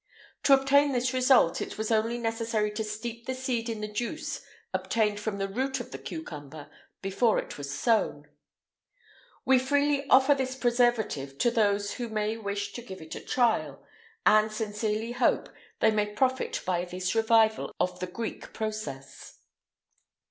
To obtain this result it was only necessary to steep the seed in the juice obtained from the root of the cucumber, before it was sown.[IX 116] We freely offer this preservative to those who may wish to give it a trial, and sincerely hope they may profit by this revival of the Greek process.